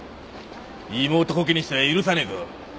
妹こけにしたら許さねえぞ。